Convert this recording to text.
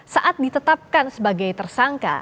saat ditetapkan sebagai tersangka